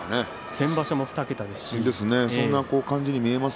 先場所も２桁ですしね。